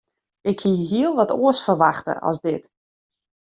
Ik hie hiel wat oars ferwachte as dit.